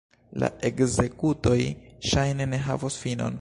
La ekzekutoj ŝajne ne havos finon.